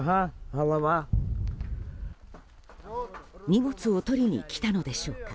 荷物を取りに来たのでしょうか。